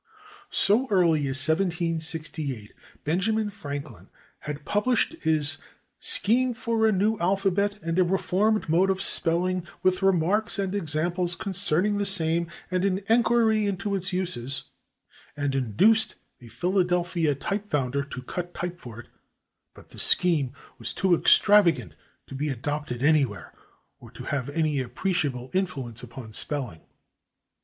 So early as 1768 Benjamin Franklin had published his "Scheme for a New Alphabet and a Reformed Mode of Spelling, with Remarks and Examples Concerning the Same, and an Enquiry Into its Uses" and induced a Philadelphia typefounder to cut type for it, but this scheme was too extravagant to be adopted anywhere, or to have any appreciable influence upon spelling.